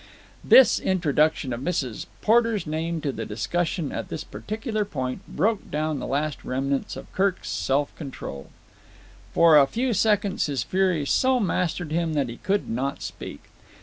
This introduction of Mrs. Porter's name into the discussion at this particular point broke down the last remnants of Kirk's self control. For a few seconds his fury so mastered him that he could not speak.